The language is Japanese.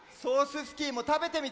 スキーもたべてみて！